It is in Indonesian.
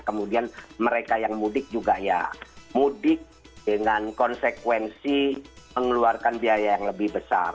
kemudian mereka yang mudik juga ya mudik dengan konsekuensi mengeluarkan biaya yang lebih besar